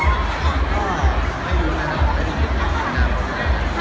แล้วก่อนใจไหมคะว่าจะมีคนออกมาทำอะไรดี